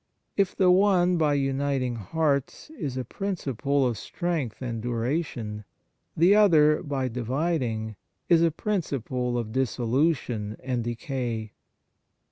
If the one, by uniting hearts, is a principle of strength and duration, the other, by dividing, is a principle of dissolution and decay.